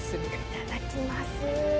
いただきます。